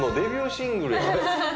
シングルやん。